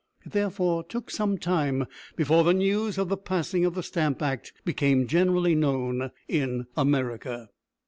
It therefore took some time before the news of the passing of the Stamp Act became generally known in America.